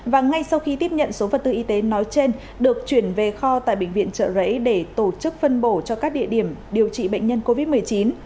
và ngay sau khi tiếp nhận số vật tư y tế nói trên được chuyển về kho tại bệnh viện trợ rẫy để tổ chức phân bổ cho các địa điểm điều trị bệnh nhân covid một mươi chín